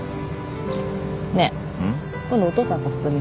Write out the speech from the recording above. ねえ今度お父さん誘ってみなよ。